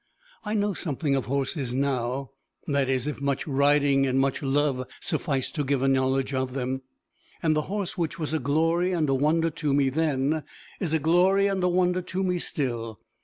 I know something of horses now that is, if much riding and much love suffice to give a knowledge of them and the horse which was a glory and a wonder to me then, is a glory and a wonder to me still.